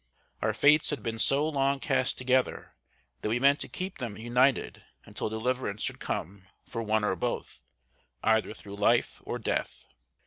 Our fates had been so long cast together, that we meant to keep them united until deliverance should come for one or both, either through life or death.